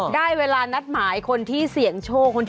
ได้เวลานัดหมายคนที่เสี่ยงโชค